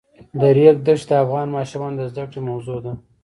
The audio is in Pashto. د ریګ دښتې د افغان ماشومانو د زده کړې موضوع ده.